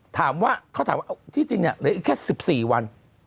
เขาถามว่าที่จริงหลายอีกแค่๑๔วัน